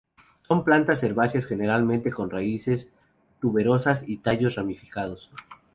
Son plantas herbáceas generalmente con raíces tuberosas y tallos ramificados.